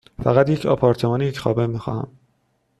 فقط یک آپارتمان یک خوابه می خواهم.